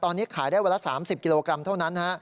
ตอนนี้ขายได้วันละ๓๐กิโลกรัมเท่านั้น